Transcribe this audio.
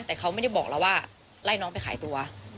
แต่เขาไม่ได้บอกเราว่าไล่น้องไปขายตัว